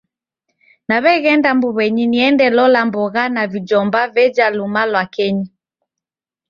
Naw'eghenda mbuw'enyi niende lola mbogha na vijomba veja luma lwa kenyi.